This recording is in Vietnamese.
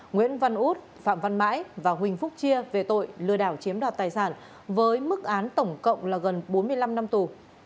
nguyễn văn út phạm văn mãi và huỳnh phúc chia về tội lừa đảo chiếm đoạt tài sản với mức án tổng cộng là gần bốn mươi năm năm tù